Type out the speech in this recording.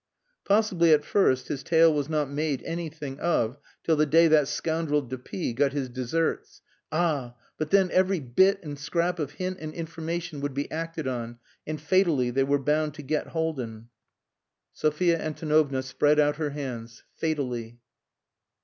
Possibly at first his tale was not made anything of till the day that scoundrel de P got his deserts. Ah! But then every bit and scrap of hint and information would be acted on, and fatally they were bound to get Haldin. Sophia Antonovna spread out her hands "Fatally."